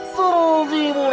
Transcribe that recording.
seru sih pun